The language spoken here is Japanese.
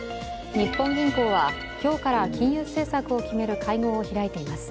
日本銀行は今日から金融政策を決める会合を開いています。